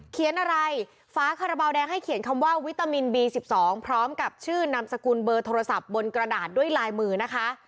เขียนอะไรฝาคาราบาลแดงให้เขียนคำว่าวิตามินบี๑๒พร้อมกับชื่อนามสกุลเบอร์โทรศัพท์บนกระดาษด้วยลายมือนะคะ